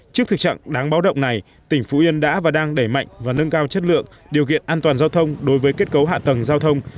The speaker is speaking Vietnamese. trước thực trạng đáng báo động này tỉnh phú yên đã và đang đẩy mạnh và nâng cao chất lượng điều kiện an toàn giao thông đối với kết cấu hạ tầng giao thông